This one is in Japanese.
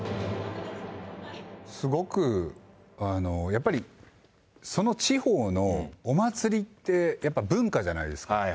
すごく、やっぱり、その地方のお祭りって、やっぱ文化じゃないですか。